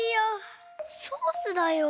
ソースだよ。